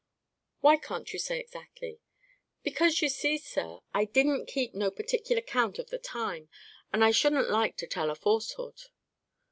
"Why can't you say exactly?" "Because, you see, sir, I didn't keep no particular 'count of the time, and I shouldn't like to tell a falsehood."